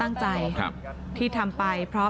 หนูจะให้เขาเซอร์ไพรส์ว่าหนูเก่ง